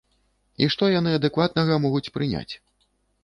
І што яны адэкватнага могуць прыняць?